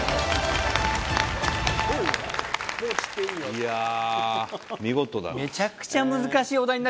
いやあ見事だな。